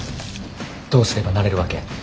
どうすればなれるわけ？